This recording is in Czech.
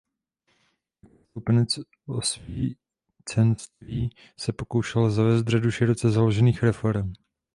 Jako stoupenec osvícenství se pokoušel zavést řadu široce založených reforem.